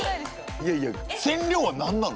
いやいや染料は何なの？